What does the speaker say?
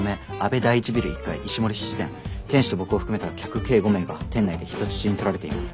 店主と僕を含めた客計５名が店内で人質にとられています。